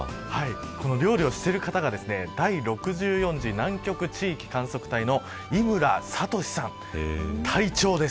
この料理をしている方が第６４次南極地域観測隊長伊村智さん隊長です。